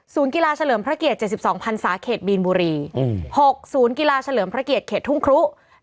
กีฬาเฉลิมพระเกียรติ๗๒พันศาเขตมีนบุรี๖ศูนย์กีฬาเฉลิมพระเกียรติเขตทุ่งครุ